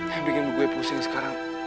yang bikin gue pusing sekarang